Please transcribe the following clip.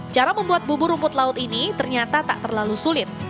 cara membuat bubur rumput laut ini ternyata tak terlalu sulit